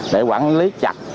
để quản lý chặt